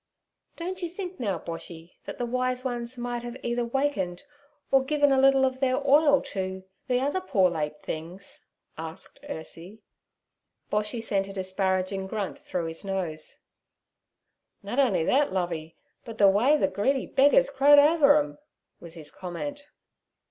'Don't you think now, Boshy, that the wise ones might have either wakened, or given a little of their oil to, the other poor late things?' asked Ursie. Boshy sent a disparaging grunt through his nose. 'Nut on'y thet, Lovey, but the way ther greedy beggars crowed over 'em' was his comment.